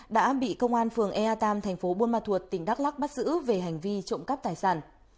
đã bị công an phường ea tam thành phố buôn ma thuột tỉnh đắk lắc bắt giữ về hành vi trộm cắp tài sản